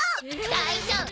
大丈夫！